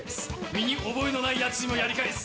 「身に覚えのないやつにもやり返す」